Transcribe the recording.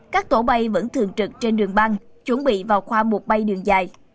các tổ bay vẫn thường trực trên đường băng chuẩn bị vào khoa một bay đường dài